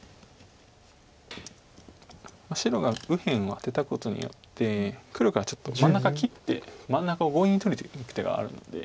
白が右辺をアテたことによって黒からちょっと真ん中切って真ん中を強引に取りにいく手があるので。